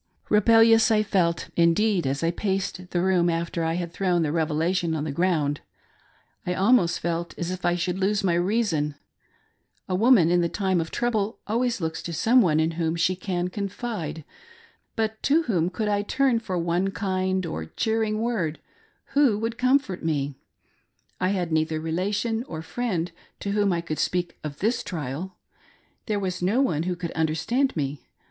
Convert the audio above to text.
Rebellious I felt, indeed, as I paced the room after I had thrown the Revelation on the ground : I almost felt as if I should lose my reason. A woman in the time of trouble always looks to some one in whom she can confide ; but to whom could I turn for one kind or cheering word — who would comfort me 1 I had neither relation or friend to whom I could speak of this trial ; there Was no one who could under stand me.